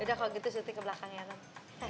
yaudah kalau gitu syuting ke belakang ya non